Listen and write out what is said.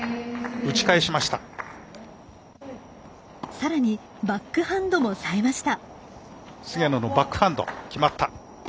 さらにバックハンドもさえました。